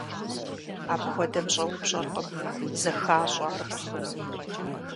Апхуэдэм щӏэупщӏэркъым, зэхащӏэ армыхъум.